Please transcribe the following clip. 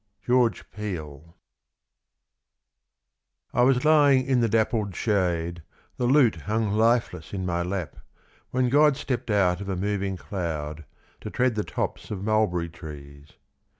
— George Peele. I was lying in the dappled shade, The lute hung lifeless in my lap, When God stepped out of a moving cloud To tread the tops of mulberry trees.